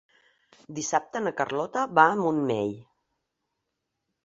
Dissabte na Carlota va al Montmell.